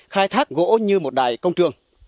khai thác gỗ như một đài công trường